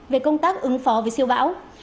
về công tác ứng phó với siêu bão